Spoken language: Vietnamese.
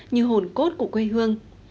như hồn cốt của quê hương